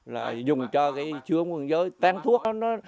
là dùng cho cái sướng quân giới tán thuốc